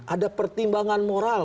ada pertimbangan moral